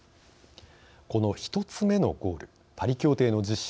この１つ目のゴールパリ協定の実施